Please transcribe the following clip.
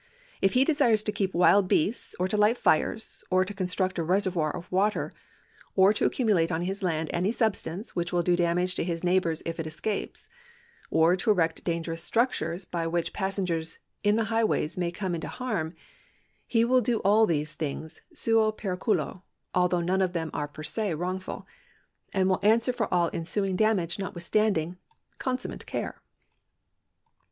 If he desires to keep wild beasts,^ or to light fires, ^ or to construct a reservoir of water, ^ or to accumulate upon his land any substance which will do damage to his neighbours if it escapes,^ or to erect dangerous structures by Avhich passengers in the highway maj^ come to harm,^ he will do all these things suo periculo (though none of them are per se wrongful) and will answer for all ensuing damage notwithstanding consummate care.